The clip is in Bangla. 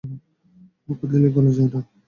মুখে দিলেই গলে যায়, না?